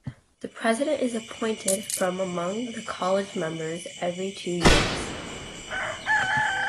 The President is appointed from among the college members every two years.